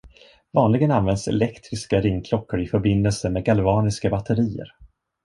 Vanligen användas elektriska ringklockor i förbindelse med galvaniska batterier.